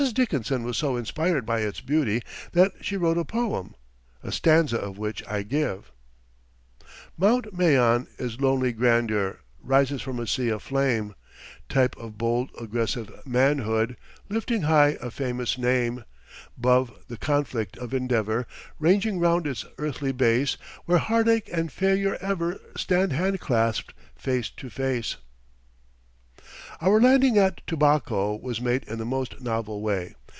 Dickinson was so inspired by its beauty that she wrote a poem, a stanza of which I give: "Mount Mayon, in lonely grandeur, Rises from a sea of flame, Type of bold, aggressive manhood, Lifting high a famous name 'Bove the conflict of endeavour Ranging round its earthly base, Where heartache and failure ever Stand hand clasped face to face." [Illustration: LANDING AT TOBACO.] Our landing at Tobaco was made in the most novel way.